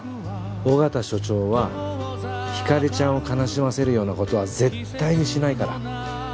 緒方署長はひかりちゃんを悲しませるようなことは絶対にしないから。